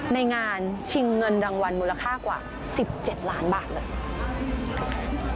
ในงานชิงเงินรางวัลมูลค่ากว่า๑๗ล้านบาทเลย